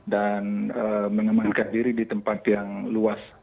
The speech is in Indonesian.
dan mengembangkan diri di tempat yang luas